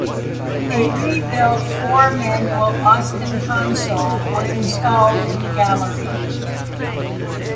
A rebuilt four-manual Austin console was installed in the gallery.